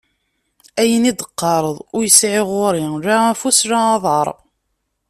Ayen i d-teqqareḍ ur yesɛi ɣur-i la afus la aḍar.